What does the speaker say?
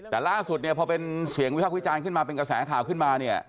แต่ล่าสุดพอเป็นเสียงวิภาควิจารณ์ขึ้นมาเป็นกระแสข่าวขึ้นมา